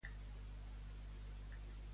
Què li demana Pujol, a Rajoy, que accepti?